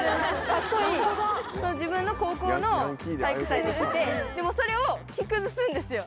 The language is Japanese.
自分の高校の体育祭で着てそれを着崩すんですよ。